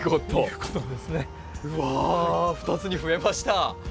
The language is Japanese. うわ２つにふえました！